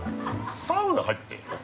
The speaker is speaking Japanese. サウナ入ってる？